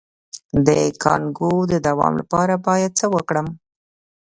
د کانګو د دوام لپاره باید څه وکړم؟